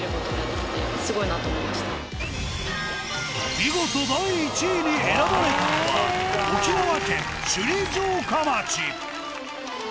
見事第１位に選ばれたのは沖縄県首里城下町。